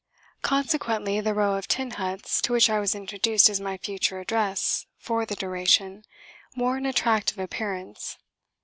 Consequently the row of tin huts, to which I was introduced as my future address "for the duration," wore an attractive appearance.